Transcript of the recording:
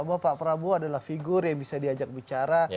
bahwa pak prabowo adalah figur yang bisa diajak bicara